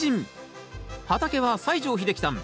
畑は西城秀樹さん